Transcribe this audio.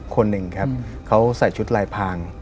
คนหนึ่งเขาใส่ชุดรายพาง